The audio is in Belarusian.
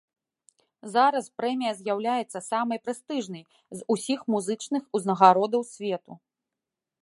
Зараз прэмія з'яўляецца самай прэстыжнай з усіх музычных узнагародаў свету.